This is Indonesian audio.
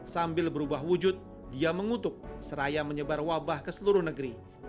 sambil berubah wujud dia mengutuk seraya menyebar wabah ke seluruh negeri